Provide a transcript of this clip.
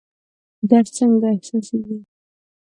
درد څنګه احساسیږي؟